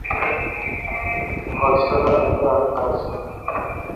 বৎসগণ, এতে অনেক কাজ হবে।